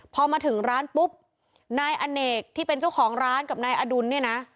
พอมาถึงร้านปุ๊บนายอเนกที่เป็นเจ้าของร้านกับนายอดุลเนี่ยนะ